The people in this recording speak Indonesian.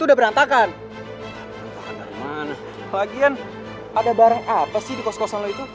apa sih di kos kosan lo itu